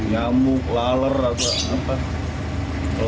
nyamuk laler apa apa